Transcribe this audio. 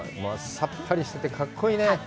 さっぱりしてて、格好いいねぇ。